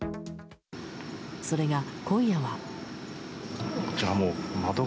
それが今夜は。